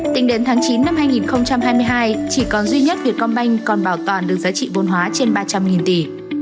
tính đến tháng chín năm hai nghìn hai mươi hai chỉ còn duy nhất việt công banh còn bảo toàn được giá trị vốn hóa trên ba trăm linh tỷ